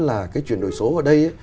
là cái chuyển đổi số ở đây